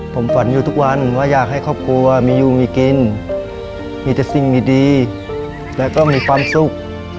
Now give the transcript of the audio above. ผมฝันอยู่ทุกวันว่าอยากให้ครอบครัวมีอยู่มีกินมีแต่สิ่งมีดีแล้วก็มีความสุข